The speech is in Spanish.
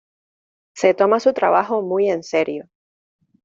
Se toma su trabajo muy en serio.